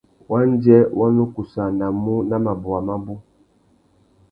Wandjê wa nu kussānamú nà mabôwa mabú.